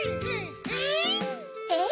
えっ？